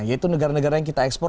yaitu negara negara yang kita ekspor